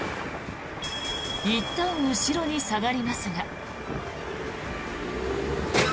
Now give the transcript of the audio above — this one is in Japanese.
いったん後ろに下がりますが。